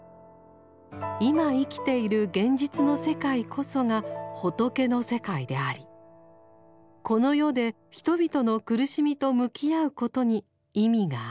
今生きている現実の世界こそが「仏の世界」でありこの世で人々の苦しみと向き合うことに意味がある。